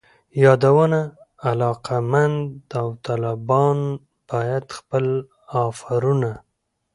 یادونه: علاقمند داوطلبان باید خپل آفرونه